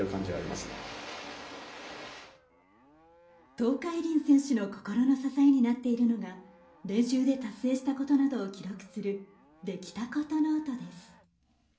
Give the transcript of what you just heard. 東海林選手の心の支えになっているのが練習で達成したことなどを記録するできたことノートです。